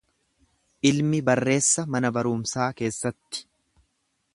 Ilmi barreessa mana barumsaa keessatti.